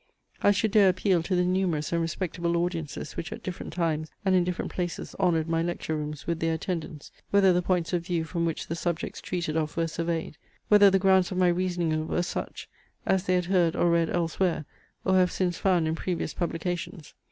I should dare appeal to the numerous and respectable audiences, which at different times and in different places honoured my lecture rooms with their attendance, whether the points of view from which the subjects treated of were surveyed, whether the grounds of my reasoning were such, as they had heard or read elsewhere, or have since found in previous publications.